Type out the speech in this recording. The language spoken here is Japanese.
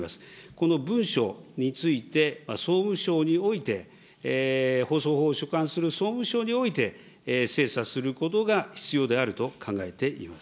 この文書について、総務省において、放送法を所管する総務省において精査することが必要であると考えています。